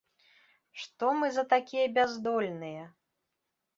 Што ж мы за такія бяздольныя?